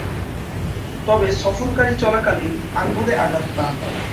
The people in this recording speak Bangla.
তবে, সফরকারী চলাকালীন আঙ্গুলে আঘাত পান।